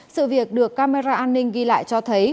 sự việc được camera an ninh ghi lại cho thấy